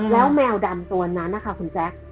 แล้วแมวดำตัวนั้นนะคะคุณแจ๊ค